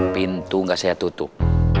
pintu gak saya tutup